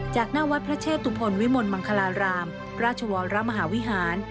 จากหน้าวัดพระเชตุพลวิมลมังคลารามราชวรมหาวิหาร